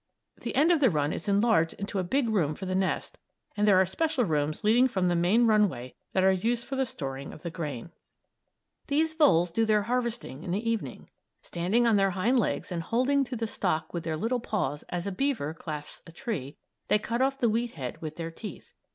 The end of the run is enlarged into a big room for the nest, and there are special rooms leading from the main runway that are used for the storing of the grain. These voles do their harvesting in the evening. Standing on their hind legs and holding to the stock with their little paws as a beaver clasps a tree, they cut off the wheat head with their teeth.